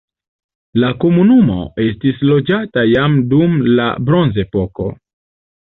La komunumo estis loĝata jam dum la bronzepoko.